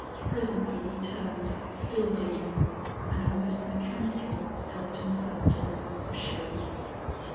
Presently he turned, still dreaming, and almost mechanically helped himself to a glass of sherry.